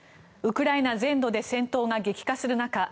ウクライナ全土で戦闘が激化する中